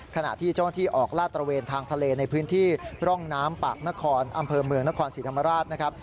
ขณะที่เจ้าหน้าที่ออกลาดตระเวนทางทะเลในพื้นที่ร่องน้ำปากนครอำเภอเมืองนครศรีธรรมราชนะครับ